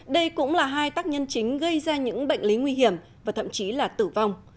đây cũng là hai tác nhân chính gây ra những bệnh lý nguy hiểm và thậm chí là tử vong